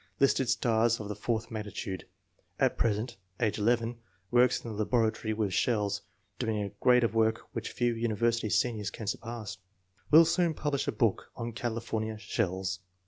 Listed stars of the fourth magnitude. At present (age 11) works in the laboratory with shells, doing a grade of work which few university seniors can surpass. Will soon publish a book on California shells.